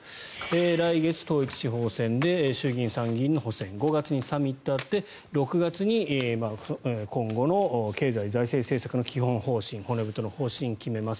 来月、統一地方選で衆議院、参議院の補選５月にサミットがあって６月に今後の経済財政政策の基本方針骨太の方針、決めます。